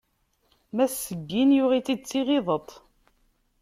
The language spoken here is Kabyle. Mass Seguin yuɣ-itt-id d tiɣideṭ.